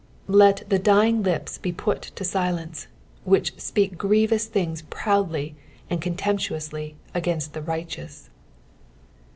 18 Let the dying lips be put to silence; which speak grievous things proudly and contemptuously against the righteous.